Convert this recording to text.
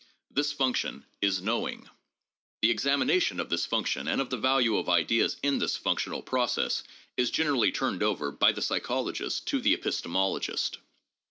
This function is knowing. The ex amination of this function and of the value of ideas in this func tional process is generally turned over by the psychologist to the epistemologist.